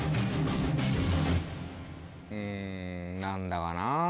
うんなんだかな。